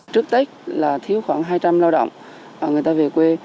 trước tết là thiếu khoảng hai trăm linh lao động người ta về quê